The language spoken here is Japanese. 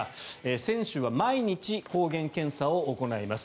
選手は毎日抗原検査を行います。